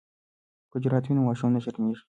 که جرات وي نو ماشوم نه شرمیږي.